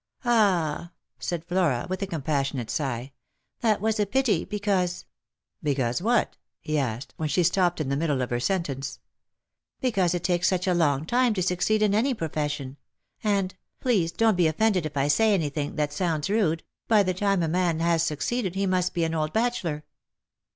"Ah," said Flora, with a compassionate sigh, "that was a pity, because "" Because what ?" he asked, when she stopped in the middle of her sentence. " Because it takes such a long time to succeed in any profes sion, and — please don't be offended if I say anything that sounds rude — by the time a man has succeeded, he must be an old bachelor."